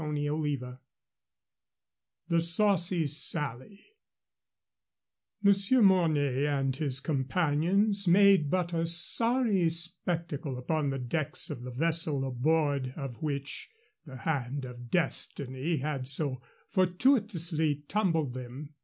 CHAPTER VIII THE SAUCY SALLY Monsieur Mornay and his companions made but a sorry spectacle upon the decks of the vessel aboard of which the hand of destiny had so fortuitously tumbled them.